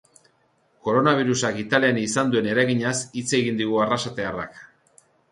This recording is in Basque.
Koronabirusak italian izan duen eraginaz hitz egin digu arrasatearrak.